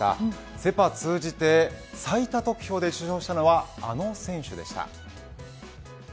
セ・パ通じて最多得票で受賞したのはあの選手でした。